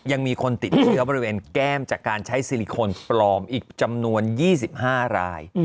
ยังมีคนติดเชื้อบริเวณแก้มจากการใช้ซิลิโคนปลอมอีกจำนวน๒๕ราย